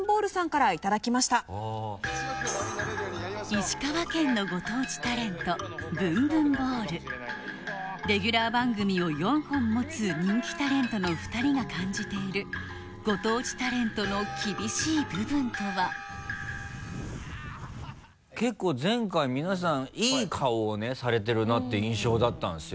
石川県のご当地タレントぶんぶんボウルレギュラー番組を４本持つ人気タレントの２人が感じているご当地タレントの厳しい部分とは結構前回皆さんいい顔をねされてるなっていう印象だったんですよ。